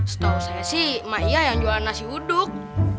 setahu saya sih emak iyah yang jualan nasi uduk